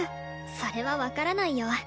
それは分からないよ。